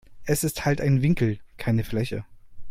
Es ist halt ein Winkel, keine Fläche.